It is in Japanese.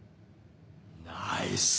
ナイス！